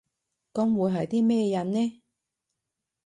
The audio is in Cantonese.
噉會係啲咩人呢？